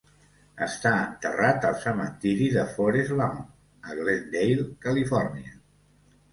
Està enterrat al cementiri de Forest Lawn a Glendale, Califòrnia.